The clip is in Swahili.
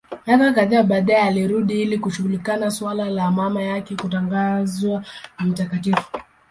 Miaka kadhaa baadaye alirudi Roma ili kushughulikia suala la mama yake kutangazwa mtakatifu.